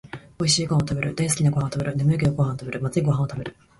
おいしいごはんをたべる、だいすきなごはんをたべる、ねむいけどごはんをたべる、まずいごはんをたべる